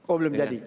oh belum jadi